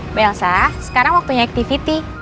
mbak elsa sekarang waktunya activity